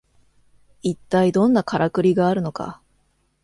いったいどんなカラクリがあるのか